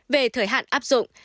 về thời hạn áp dụng